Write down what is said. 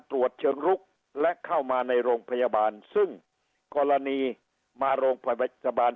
ตรวจเชิงลุกและเข้ามาในโรงพยาบาลซึ่งกรณีมาโรงพยาบาล